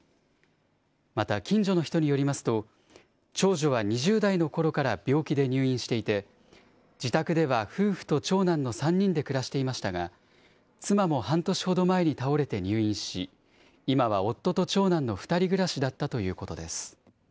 また近所の人によりますと、長女は２０代のころから病気で入院していて、自宅では夫婦と長男の３人で暮らしていましたが、妻も半年ほど前に倒れて入院し、今は夫と長男の２人暮らしだったということです。